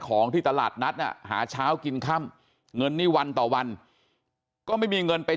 ของที่ตลาดนัดหาเช้ากินค่ำเงินนี่วันต่อวันก็ไม่มีเงินไป